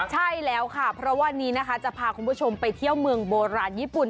ใช่แล้วค่ะเพราะวันนี้นะคะจะพาคุณผู้ชมไปเที่ยวเมืองโบราณญี่ปุ่น